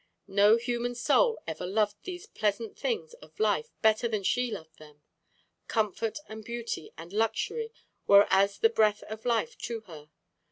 No human soul ever loved these pleasant things of life better than she loved them. Comfort and beauty and luxury were as the breath of life to her.